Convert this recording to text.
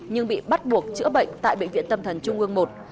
nhưng bị bắt buộc chữa bệnh tại bệnh viện tâm thần trung ương i